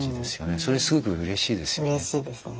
それすごくうれしいですよね。